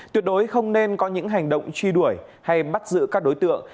tuyệt đối không nên có những hành động truy đuổi hay bắt giữ các đối tượng